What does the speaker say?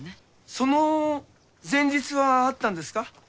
その前日はあったんですか？